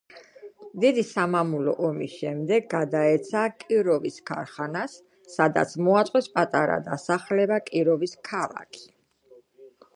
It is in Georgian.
დიდი სამამულო ომის შემდეგ გადაეცა კიროვის ქარხანას, სადაც მოაწყვეს პატარა დასახლება კიროვის ქალაქი.